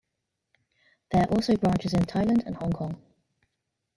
There are also branches in Thailand and Hong Kong.